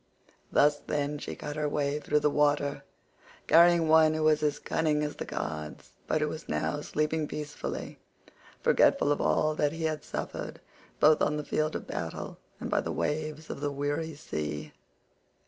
Thus, then, she cut her way through the water, carrying one who was as cunning as the gods, but who was now sleeping peacefully, forgetful of all that he had suffered both on the field of battle and by the waves of the weary sea.